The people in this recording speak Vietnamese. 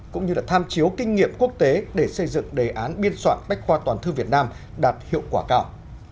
cũng như tham chiếu kinh nghiệm quốc tế để xây dựng đề án biên soạn bách khoa toàn thư việt nam đạt hiệu quả cao